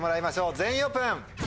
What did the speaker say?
「全員オープン」。